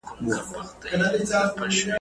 ما به د څراغ تتې رڼا ته مطالعه کوله.